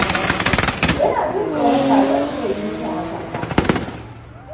Ina jin tsoron ba zan iya yi miki hakan ba.